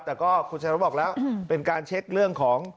แต่ก็คุณชนะบอกแล้วเป็นการเช็คเรื่องของ